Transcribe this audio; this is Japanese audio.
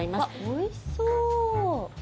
おいしそう！